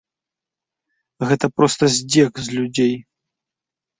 Гэта проста здзек з людзей.